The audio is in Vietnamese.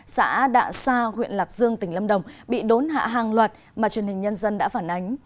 xã đạ sa huyện lạc dương tỉnh lâm đồng bị đốn hạ hàng loạt mà truyền hình nhân dân đã phản ánh